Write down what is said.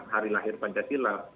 hari lahir pancasila